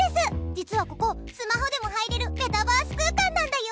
実はここスマホでも入れるメタバース空間なんだよ！